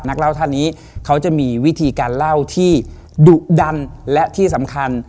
นักเล่าท่านนี้เขาจะมีวิธีการเล่าที่ดุดันและที่สำคัญ